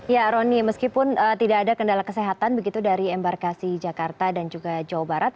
ya roni meskipun tidak ada kendala kesehatan begitu dari embarkasi jakarta dan juga jawa barat